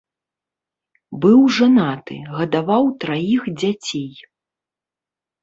Быў жанаты, гадаваў траіх дзяцей.